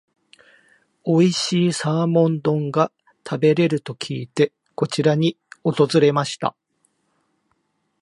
おいしいサーモン丼が食べれると聞いて、こちらに訪れました。